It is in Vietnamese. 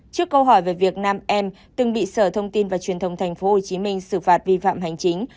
trước câu hỏi về việc nam em từng bị sở thông tin và truyền thông tp hcm xử phạt vi phạm hành chính